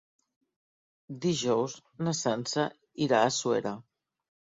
Dijous na Sança irà a Suera.